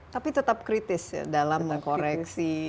tapi tetap kritis ya dalam mengkoreksi